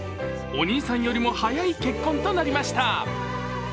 お兄さんよりも早い結婚となりました。